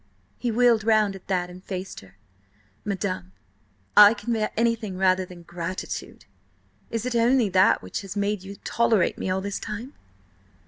He wheeled round at that, and faced her. "Madam, I can bear anything rather than gratitude! Is it only that which has made you tolerate me all this time?"